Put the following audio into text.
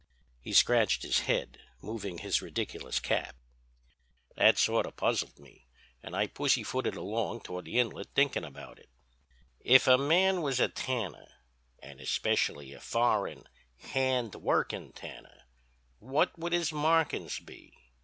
"He scratched his head, moving his ridiculous cap. "'That sort of puzzled me, and I pussyfooted along toward the Inlet thinkin' about it. If a man was a tanner, and especially a foreign, hand workin' tanner, what would his markin's be?